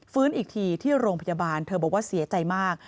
อีกทีที่โรงพยาบาลเธอบอกว่าเสียใจมาก